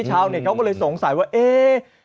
ชาวเน็ตเขาก็เลยสงสัยว่าเอ๊ะ